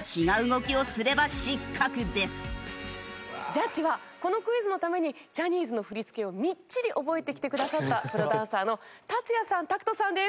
ジャッジはこのクイズのためにジャニーズの振り付けをみっちり覚えてきてくださったプロダンサーのＴＡＴＳＵＹＡさんＴＡＫＵＴＯさんです。